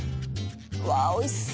うわ美味しそう！